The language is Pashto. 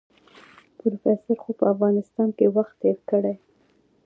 پروفيسر خو په افغانستان کې وخت تېر کړی.